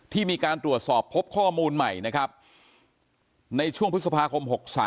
ที่มีการตรวจสอบพบข้อมูลใหม่ในช่วงพฤษภาคม๖๓